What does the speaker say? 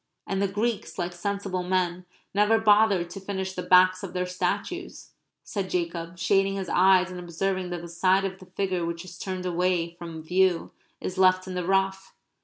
"And the Greeks, like sensible men, never bothered to finish the backs of their statues," said Jacob, shading his eyes and observing that the side of the figure which is turned away from view is left in the rough.